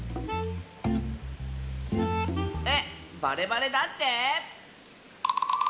えっバレバレだって？